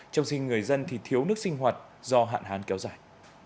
trong sinh người dân thì thiếu nước sinh hoạt do hạn hán kéo dài